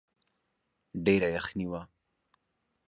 ډېره يخني وه.